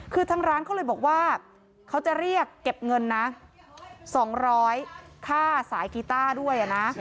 คือทางร้านเขาเลยบอกว่าเขาจะเรียกเก็บเงินนะ๒๐๐ค่าสายกีต้าด้วยนะ